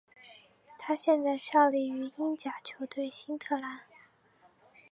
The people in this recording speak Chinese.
他现在效力于英甲球队新特兰。